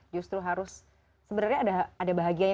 justru harus sebenarnya ada bahagianya